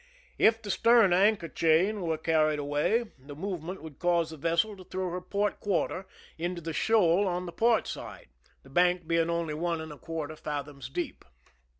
If the stern anchor chain were carried away the movement would cause the vessel to throw her port quarter 23 THE SINKING OF THE "MEEEIMAC" into the shoal on the port side, the bank being only one and a quarter fathoms deep.